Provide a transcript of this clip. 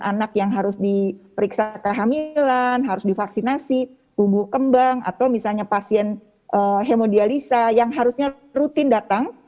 jadi misalnya anak yang harus diperiksa kehamilan harus divaksinasi tubuh kembang atau misalnya pasien hemodialisa yang harusnya rutin datang